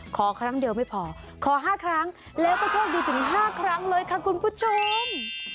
ขอครั้งเดียวไม่พอขอ๕ครั้งแล้วก็โชคดีถึง๕ครั้งเลยค่ะคุณผู้ชม